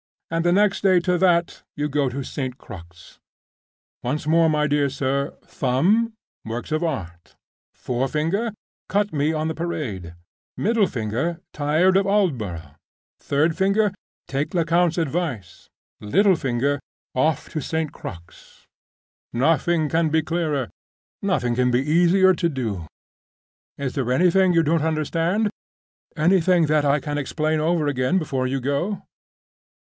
And the next day to that you go to St. Crux. Once more, my dear sir! Thumb—works of Art. Forefinger—cut me on the Parade. Middle finger—tired of Aldborough. Third finger—take Lecount's advice. Little finger—off to St. Crux. Nothing can be clearer—nothing can be easier to do. Is there anything you don't understand? Anything that I can explain over again before you go?"